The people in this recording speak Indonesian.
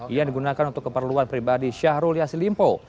ia digunakan untuk keperluan pribadi syahrul yassin limpo